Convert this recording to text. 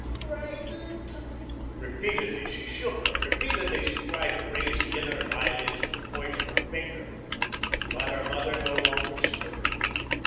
I'm frightenedt." Repeatedly she shook her; repeatedly she tried to raise the inert eyelids with the point of her finger. But her mother no longer stirred.